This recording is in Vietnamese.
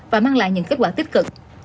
và mang lại những kết quả tích cực